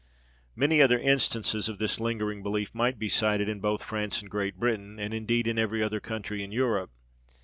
Many other instances of this lingering belief might be cited both in France and Great Britain, and indeed in every other country in Europe.